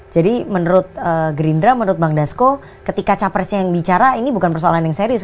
jadi menurut gerindra menurut bang desko ketika capresnya yang bicara ini bukan persoalan yang serius kan